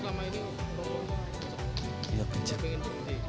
selama ini mau berhenti